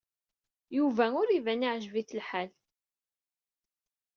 Yuba ur d-iban yeɛjeb-it lḥal.